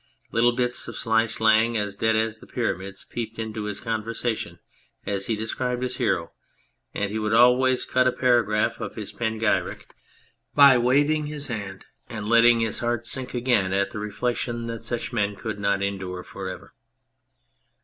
Little bits of sly slang as dead as the pyramids peeped into his conversation as he described his hero, and he would always end a para graph of his panegyric by wagging his head and 115 I 2 On Anything letting his heart sink again at the reflection that such men could not endure for ever.